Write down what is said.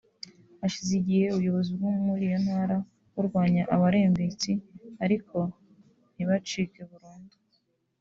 Hashize igihe ubuyobozi bwo muri iyo ntara burwanya Abarembetsi ariko ntibacike burundu